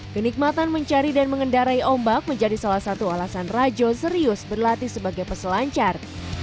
kenikmatan mencari dan mengendarai ombak menjadi salah satu alasan rajo serius berlatih sebagai peselancar